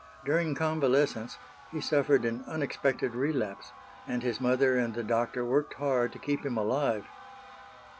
During convalescence, he suffered an unexpected relapse, and his mother and the doctor worked hard to keep him alive.